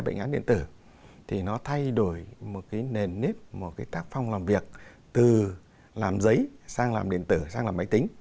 bệnh án điện tử thì nó thay đổi một cái nền nếp một cái tác phong làm việc từ làm giấy sang làm điện tử sang làm máy tính